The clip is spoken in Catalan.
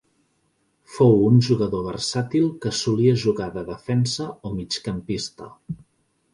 Fou un jugador versàtil que solia jugar de defensa o migcampista.